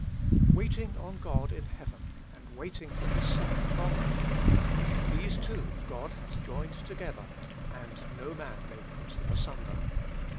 WAITING on God in heaven, and waiting for His Son from heaven, these two God hath joined together, and no man may put them asunder.